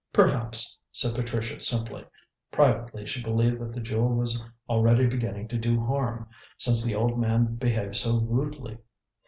"Perhaps," said Patricia simply. Privately she believed that the Jewel was already beginning to do harm, since the old man behaved so rudely.